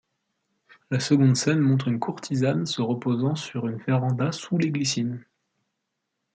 La seconde scène montre une courtisane se reposant sur une véranda sous les glycines.